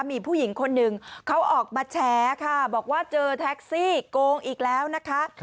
มีผู้หญิงคนหนึ่งเขาออกมาแชร์ค่ะบอกว่าเจอแท็กซี่โกงอีกแล้วนะคะ